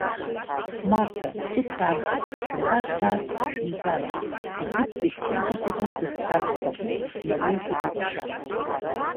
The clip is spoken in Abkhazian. Марҭа, ԥыҭраамҭак сшәымбар, хьаас сҟашәымҵан, Бзыԥтәи сҩызак иҟынӡа сцар сҭахуп, налеиҳәеит иаҳәшьа.